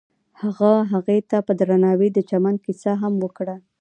هغه هغې ته په درناوي د چمن کیسه هم وکړه.